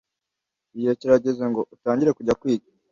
igihe kirageze ngo utangire kujya kwiga